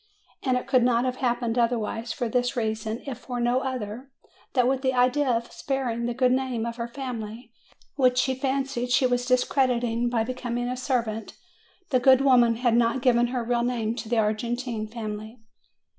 And it could not have happened otherwise, for this reason if for no other: that with the idea of sparing the good name of her family, which she fancied she was discrediting by becoming a servant, the good woman had not given her real name to the Argentine family.